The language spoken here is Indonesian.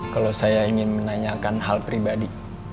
kalau saya ingin menanyakan hal pribadi